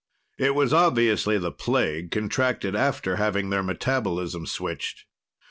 It was obviously the plague, contracted after having their metabolism switched.